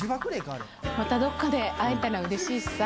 またどっかで会えたらうれしいしさ。